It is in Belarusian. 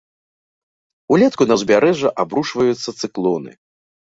Улетку на ўзбярэжжа абрушваюцца цыклоны.